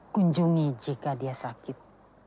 kunjungi jika dia sakit